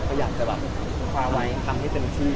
ก็อยากจะทำให้เป็นที่